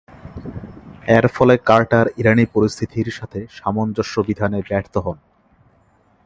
এর ফলে কার্টার ইরানি পরিস্থিতির সাথে সামঞ্জস্য বিধানে ব্যর্থ হন।